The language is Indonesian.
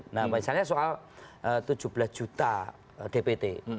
nah misalnya soal tujuh belas juta dpt